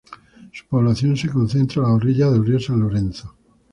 Su población se concentra a orillas del río San Lorenzo.